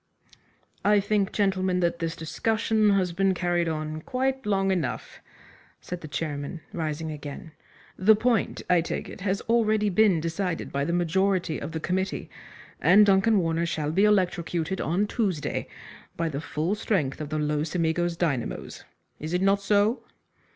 "I think, gentlemen, that this discussion has been carried on quite long enough," said the chairman, rising again. "The point, I take it, has already been decided by the majority of the committee, and Duncan Warner shall be electrocuted on Tuesday by the full strength of the Los Amigos dynamos. Is it not so?"